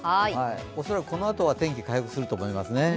恐らくこのあとは天気回復すると思います。